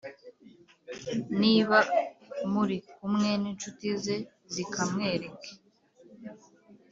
niba muri kumwe n’inshuti ze zikamwereke